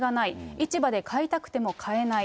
市場で買いたくても買えない。